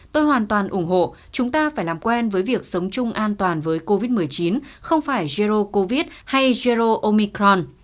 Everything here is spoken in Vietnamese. tôi hoàn toàn ủng hộ chúng ta phải làm quen với việc sống chung an toàn với covid một mươi chín không phải jero covid hay jero omicron